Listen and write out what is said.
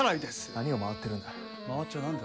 何を回ってるんだ？